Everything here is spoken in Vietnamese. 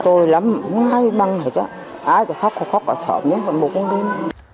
tồi lắm muốn hay băng hết á ai cho khóc khóc khóc khóc nhưng mà một con đêm